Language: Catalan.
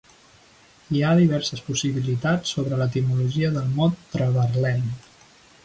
Hi ha diverses possibilitats sobre l'etimologia del mot "Treverlen".